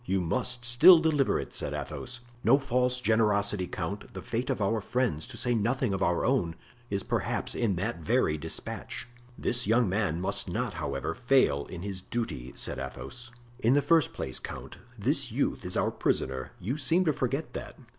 "You must still deliver it," said Athos. "No false generosity, count! the fate of our friends, to say nothing of our own, is perhaps in that very despatch." "This young man must not, however, fail in his duty," said Athos. "In the first place, count, this youth is our prisoner; you seem to forget that.